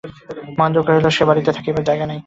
মহেন্দ্র কহিল, সে বাড়িতে থাকিবার জায়গা নাই।